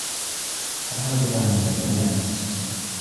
الحرب تهمنا جميعاً.